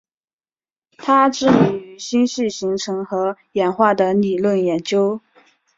她知名于星系形成和演化的理论研究。